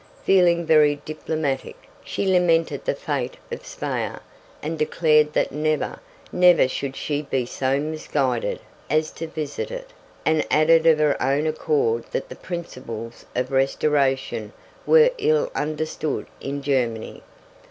Feeling very diplomatic, she lamented the fate of Speyer, and declared that never, never should she be so misguided as to visit it, and added of her own accord that the principles of restoration were ill understood in Germany.